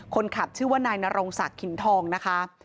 คนขับชื่อว่านายนรงศักดิ์ขินทองนะคะ